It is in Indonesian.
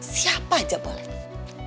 siapa aja boleh